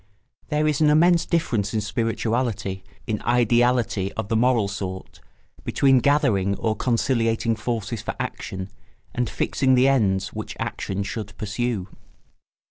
There is an immense difference in spirituality, in ideality of the moral sort, between gathering or conciliating forces for action and fixing the ends which action should pursue.